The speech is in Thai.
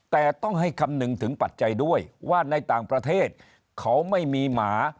แต่ต้องให้คำนึงถึงปัจจัยด้วยว่าในต่างประเทศเขาไม่มีหมา